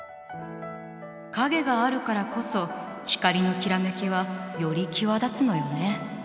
影があるからこそ光のきらめきはより際立つのよね。